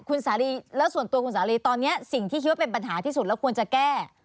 คุณสาลีแล้วส่วนตัวคุณสาลีตอนนี้สิ่งที่คิดว่าเป็นปัญหาที่สุดแล้วควรจะแก้